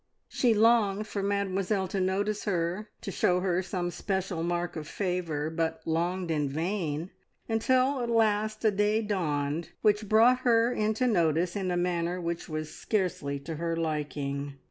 She longed for Mademoiselle to notice her, to show her some special mark of favour, but longed in vain, until at last a day dawned which brought her into notice in a manner which was scarcely to her liking.